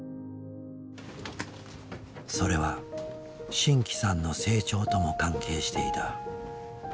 それは真気さんの成長とも関係していた。